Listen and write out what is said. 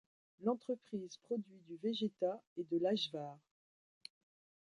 L'entreprise produit du vegeta et de l'ajvar.